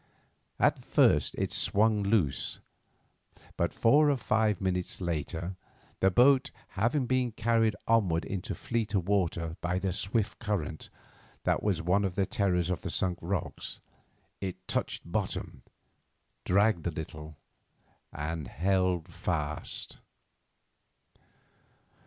At first it swung loose, but four or five minutes later, the boat having been carried onward into fleeter water by the swift current that was one of the terrors of the Sunk Rocks, it touched bottom, dragged a little, and held fast.